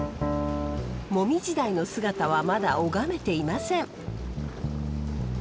モミジダイの姿はまだ拝めていません。